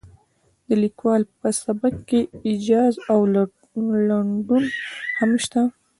د لیکوال په سبک کې ایجاز او لنډون هم شته.